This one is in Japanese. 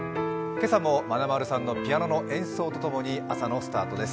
今朝もまなまるさんのピアノの演奏と共にスタートです。